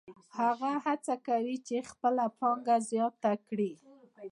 هغه هڅه کوي چې خپله پانګه زیاته کړي